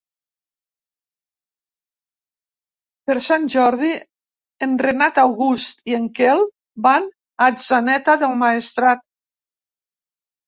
Per Sant Jordi en Renat August i en Quel van a Atzeneta del Maestrat.